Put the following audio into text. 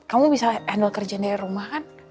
kamu bisa handle kerja dari rumah kan